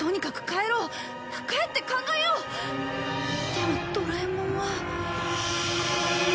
でもドラえもんは。